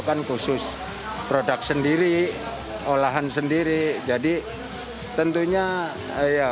kan khusus produk sendiri olahan sendiri jadi tentunya ya